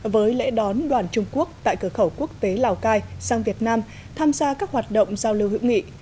với lễ đón đoàn trung quốc tại cửa khẩu quốc tế lào cai sang việt nam tham gia các hoạt động giao lưu hữu nghị